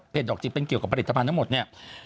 ดอกจิบเป็นเกี่ยวกับผลิตภัณฑ์ทั้งหมดเนี่ย